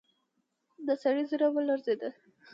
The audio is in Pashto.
د سړي زړه ولړزېد.